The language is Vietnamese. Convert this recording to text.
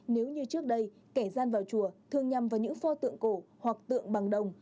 nếu như trước đây kẻ gian vào chùa thường nhằm vào những pho tượng cổ hoặc tượng bằng đồng